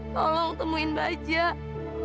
tolong temuin bajak